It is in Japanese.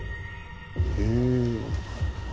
へえ。